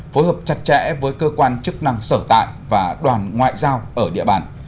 phối hợp chặt chẽ với cơ quan chức năng sở tại và đoàn ngoại giao ở địa bàn